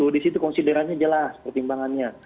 di situ konsiderannya jelas pertimbangannya